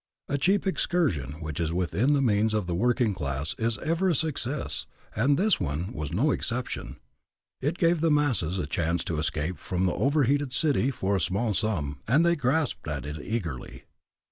A cheap excursion which is within the means of the working class is ever a success, and this one was no exception; it gave the masses a chance to escape from the overheated city for a small sum, and they grasped at it eagerly.